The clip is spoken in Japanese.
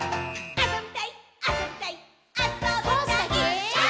「あそびたいっ！！」